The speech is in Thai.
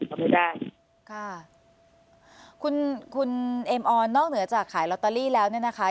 ก็ไม่ได้ค่ะคุณคุณเอ็มออนนอกเหนือจากขายลอตเตอรี่แล้วเนี่ยนะคะ